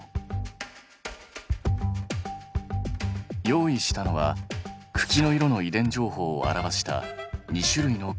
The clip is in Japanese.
用意したのは茎の色の遺伝情報を表した２種類のカード。